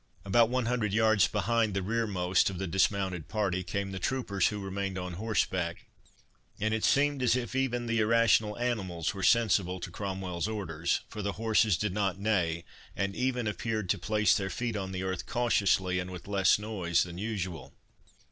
About one hundred yards behind the rearmost of the dismounted party, came the troopers who remained on horseback; and it seemed as if even the irrational animals were sensible to Cromwell's orders, for the horses did not neigh, and even appeared to place their feet on the earth cautiously, and with less noise than usual.